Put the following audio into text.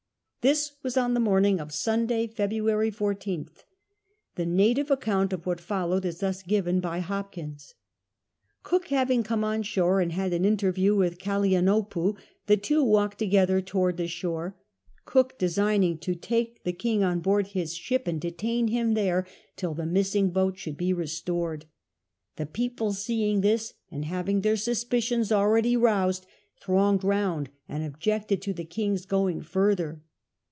This was on the morning of Sunday, February 14th. The native account of what followed is thus given by Hopkins. Cook having come on shore and had an interview with Kalaniopuii, the two walked together towaid? the shore, Cook designing to take the king on hoard his ship and detain 154 CAPTAIN COOK CHAP. him there till the missing boat should be restored. The people seeing this, and having their suspicions already roused, thronged round and objected to the king^s going further.